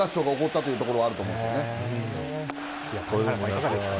いかがですか。